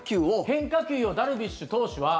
変化球をダルビッシュ投手は。